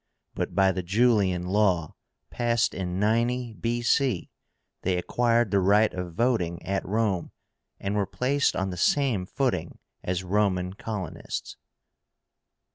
But by the Julian law, passed in 90 B. C., they acquired the right of voting at Rome, and were placed on the same footing as Roman colonists.